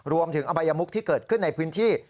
อบัยมุกที่เกิดขึ้นในพื้นที่